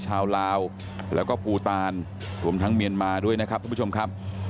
ชาวลาวแล้วก็ภูตานรวมทั้งเมียนมาด้วยนะครับทุกผู้ชมครับ